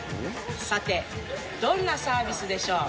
さてどんなサービスでしょう？